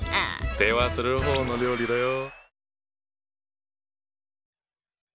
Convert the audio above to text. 「世話する」方の料理だよ。